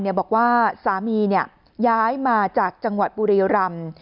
เนี่ยบอกว่าสามีเนี่ยย้ายมาจากจังหวัดบูรียรม